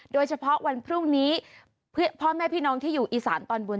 โดยเฉพาะวันพรุ่งนี้พ่อแม่พี่น้องที่อยู่อีสานตอนบน